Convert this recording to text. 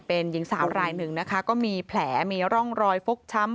เป็นหญิงสาวรายหนึ่งนะคะก็มีแผลมีร่องรอยฟกช้ำ